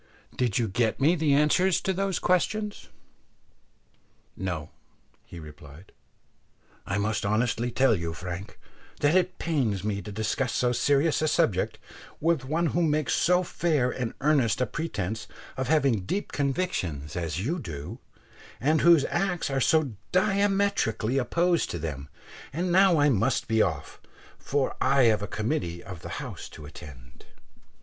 Did you get me the answers to those questions?" "No," he replied, "I must honestly tell you, Frank, that it pains me to discuss so serious a subject with one who makes so fair and earnest a pretence of having deep convictions as you do, and whose acts are so diametrically opposed to them; and now I must be off, for I have a committee of the House to attend."